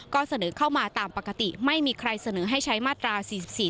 ก็เสนอเข้ามาตามปกติไม่มีใครเสนอให้ใช้มาตรา๔๔